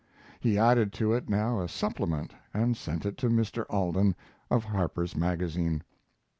He added to it now a supplement and sent it to Mr. Alden, of Harper's Magazine.